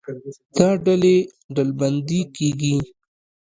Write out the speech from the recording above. دا ډلې ډلبندي کېږي.